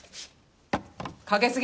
かけすぎ！